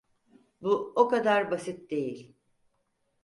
Bu o kadar basit değil.